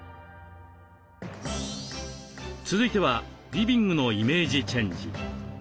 続いてはリビングのイメージチェンジ。